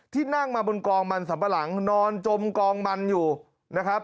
นั่งมาบนกองมันสัมปะหลังนอนจมกองมันอยู่นะครับ